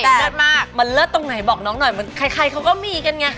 แต่มันเลิศตรงไหนบอกน้องหน่อยมันใครเค้าก็มีกันไง